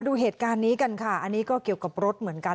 ดูเหตุการณ์นี้กันค่ะอันนี้ก็เกี่ยวกับรถเหมือนกัน